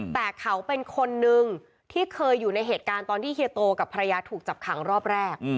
เธอเป็นคนหนึ่งที่เคยอยู่ในเหตุการณ์เมื่อเฮียโตกับพระยาท้าถูกจับขังรอบแรก